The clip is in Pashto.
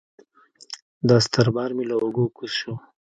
دا ستر بار مې له اوږو کوز شو.